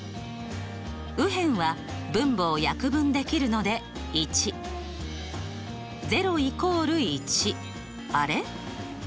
右辺は分母を約分できるので１。あれ？